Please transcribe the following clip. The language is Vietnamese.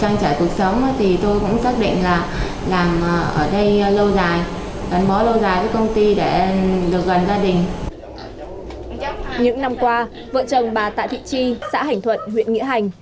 những năm qua vợ chồng bà tạ thị chi xã hành thuận huyện nghĩa hành